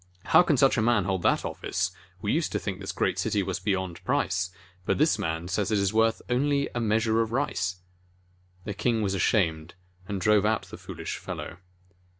How can such a man hold that office? We used to think this great city was beyond price, but this man says it is worth only a measure of rice." Then the king was ashamed, and drove out the fool ish fellow.